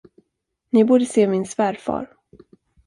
Ni borde se min svärfar!